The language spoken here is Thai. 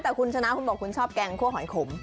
แต่คุณชนะคุณบอกคุณชอบแกงคั่วหอยขม